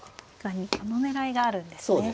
この狙いがあるんですね。